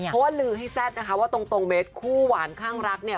เพราะว่าลือให้แซ่บนะคะว่าตรงเมตรคู่หวานข้างรักเนี่ย